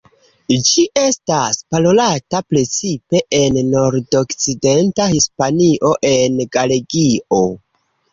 Ĝi estas parolata precipe en nordokcidenta Hispanio en Galegio.